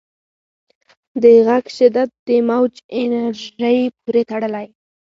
د غږ شدت د موج انرژۍ پورې تړلی.